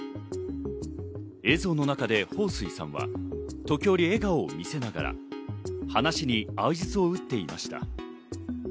映像の中でホウ・スイさんは時折、笑顔を見せながら、話に相槌を打っていました。